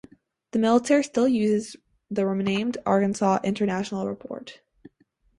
The military still uses the renamed Arkansas International Airport.